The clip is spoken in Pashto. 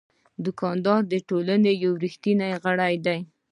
دوکاندار د ټولنې یو ریښتینی غړی دی.